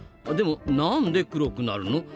でもなんで黒くなるの？